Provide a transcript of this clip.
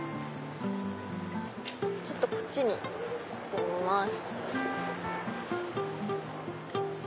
ちょっとこっちに行ってみます。